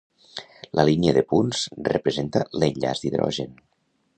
La línia de punts representa l'enllaç d'hidrogen.